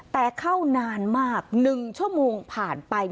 แต่เข้านานมาก๑ชมผ่านไป